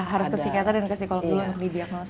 harus ke psikiater dan ke psikolog dulu untuk didiagnosa